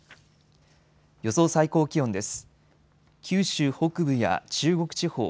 予想最高気温です。